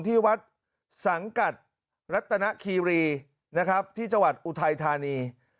ที่ตรงอุทัยทานี